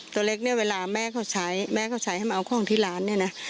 ตัวเล็กเนี่ยเวลาแม่เขาใช้แม่เขาใช้ให้มาเอาของที่ร้านเนี่ยนะ